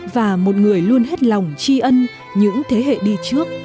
và một người luôn hết lòng tri ân những thế hệ đi trước